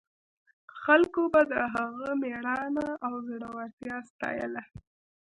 خلکو به د هغوی مېړانه او زړورتیا ستایله.